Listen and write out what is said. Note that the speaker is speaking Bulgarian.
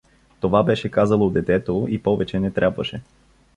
Това беше казало детето и повече не трябваше.